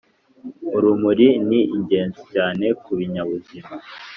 urumuri ni ingenzi cyane ku binyabuzima